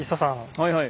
はいはい。